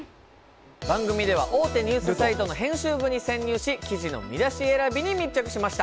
番組では大手ニュースサイトの編集部に潜入し記事の見出し選びに密着しました！